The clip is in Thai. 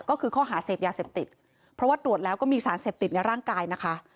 ก็คือข้อหาเสพยาเสพติดเพราะว่าตรวจแล้วก็มีสารเสพติดในร่างกายนะคะ